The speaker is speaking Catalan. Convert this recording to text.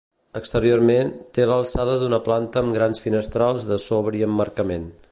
Exteriorment, té l'alçada d'una planta amb grans finestrals de sobri emmarcament.